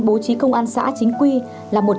bố trí công an xã chính quy là một